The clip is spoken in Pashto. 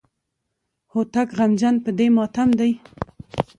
هوتک غمجن په دې ماتم دی.